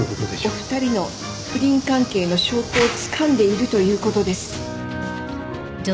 お二人の不倫関係の証拠をつかんでいるということです。